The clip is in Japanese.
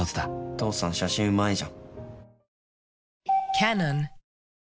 父さん写真うまいじゃん。